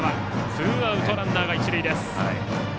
ツーアウト、ランナーが一塁です。